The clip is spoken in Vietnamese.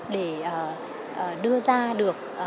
để đưa ra được